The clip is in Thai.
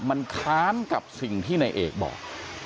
มันค้านกับสิ่งที่นายเอกบอก